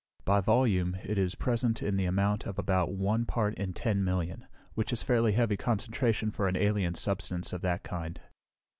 By volume, it is present in the amount of about one part in ten million, which is fairly heavy concentration for an alien substance of that kind.